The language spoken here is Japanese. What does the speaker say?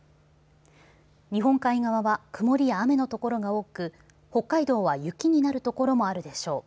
日本海側は曇りや雨の所が多く北海道は雪になる所もあるでしょう。